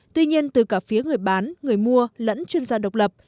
tuy nhiên từ cả phía người bán người mua lẫn chuyên gia độc lập